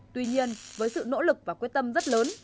tuy nhiên với sự nỗ lực và quyết tâm rất lớn